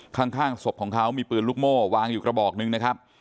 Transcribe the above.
ข้างศพของเขามีปืนลูกโม่วางอยู่กระบอกหนึ่งนะครับ